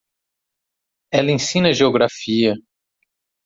Ela ensina geografia.